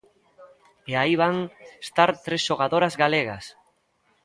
E aí van estar tres xogadoras galegas.